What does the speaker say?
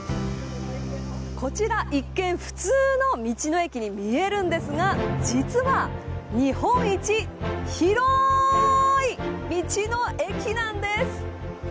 こちら一見普通の道の駅に見えるんですが実は日本一、広い道の駅なんです。